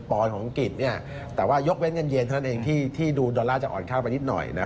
อนด์ของอังกฤษแต่ว่ายกเว้นเงินเย็นเท่านั้นเองที่ดูดอลลาร์จะอ่อนค่าไปนิดหน่อย